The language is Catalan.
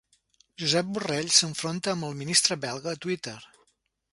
Josep Borrell s'enfronta amb el ministre belga a Twitter